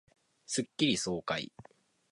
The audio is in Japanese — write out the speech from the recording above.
スッキリ爽快